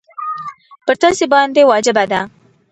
پر تاسي باندي واجبه ده.